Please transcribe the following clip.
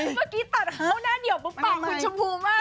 เมื่อกี้ตัดเข้าหน้าเดี่ยวปุ๊บปากคุณชมพูมาก